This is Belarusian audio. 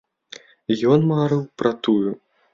Ён марыў пра тую.